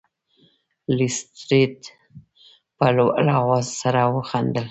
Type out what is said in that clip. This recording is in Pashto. لیسټرډ په لوړ اواز سره وخندل.